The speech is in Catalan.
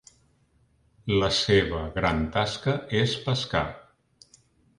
La seva gran tasca és pescar.